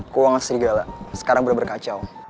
keuangan serigala sekarang bener bener kacau